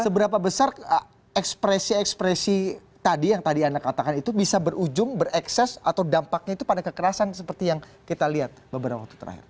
seberapa besar ekspresi ekspresi tadi yang tadi anda katakan itu bisa berujung berekses atau dampaknya itu pada kekerasan seperti yang kita lihat beberapa waktu terakhir